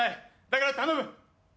だから頼む。